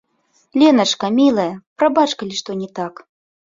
Леначка, мілая, прабач, калі што не так.